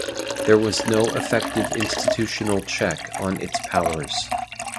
There was no effective institutional check on its powers.